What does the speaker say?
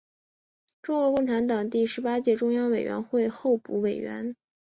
中国共产党第十八届中央委员会候补委员。